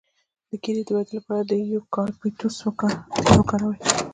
د ږیرې د ودې لپاره د یوکالیپټوس تېل وکاروئ